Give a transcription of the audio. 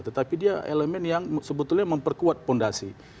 tetapi dia elemen yang sebetulnya memperkuat fondasi